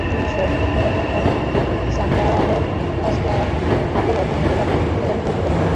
তিনি সম্ভবত বর্তমান সান্ডারল্যান্ডের মঙ্কওয়্যারমাউথ মঠের অধীনস্থ এলাকায় জন্মগ্রহণ করেন।